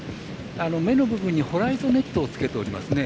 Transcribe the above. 目の部分にホライゾネットをつけておりますね。